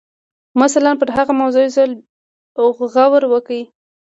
مثلاً پر هغه موضوع یو ځل غور وکړئ